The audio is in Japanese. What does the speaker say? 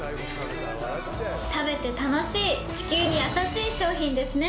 食べて楽しい、地球にやさしい商品ですね。